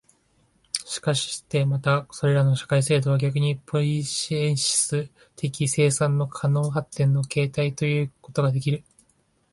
しかしてまたそれらの社会制度は逆にポイエシス的生産の可能発展の形態ということができる、